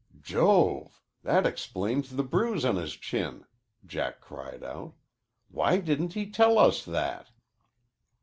"Jove! That explains the bruise on his chin," Jack cried out. "Why didn't he tell us that?"